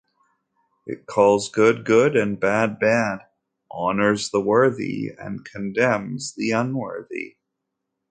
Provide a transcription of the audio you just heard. It calls good good and bad bad, honours the worthy, and condemns the unworthy.